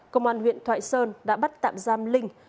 công an huyện thoại sơn đã bắt tạm giam linh